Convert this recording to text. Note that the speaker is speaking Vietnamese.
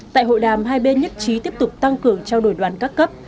tại hội đàm hai bên nhất trí tiếp tục tăng cường trao đổi đoàn các cấp